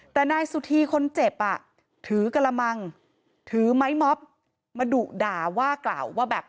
แต่นายสุธีคนเจ็บอ่ะถือกระมังถือไม้ม็อบมาดุด่าว่ากล่าวว่าแบบ